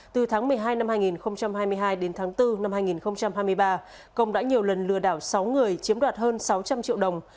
từ tháng một mươi hai năm hai nghìn hai mươi hai đến tháng bốn năm hai nghìn hai mươi ba công đã nhiều lần lừa đảo sáu người chiếm đoạt hơn sáu trăm linh triệu đồng